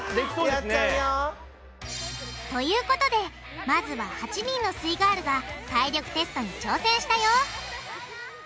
やっちゃうよ。ということでまずは８人のすイガールが体力テストに挑戦したよ！